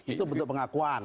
itu bentuk pengakuan